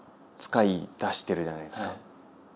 使いだしてるじゃないですか。